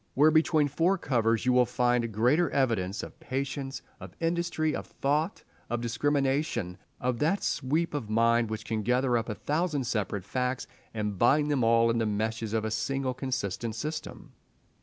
Where between four covers will you find greater evidence of patience, of industry, of thought, of discrimination, of that sweep of mind which can gather up a thousand separate facts and bind them all in the meshes of a single consistent system?